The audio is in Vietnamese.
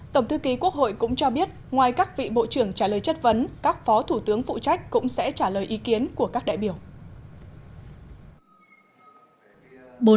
tổng thư ký quốc hội cũng cho biết ngoài các vị bộ trưởng trả lời chất vấn các phó thủ tướng phụ trách cũng sẽ trả lời ý kiến của các đại biểu